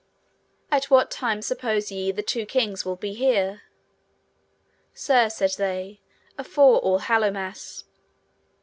At what time suppose ye the two kings will be here? Sir, said they, afore All Hallowmass.